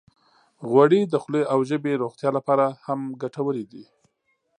غوړې د خولې او ژبې روغتیا لپاره هم ګټورې دي.